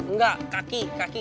enggak kaki kaki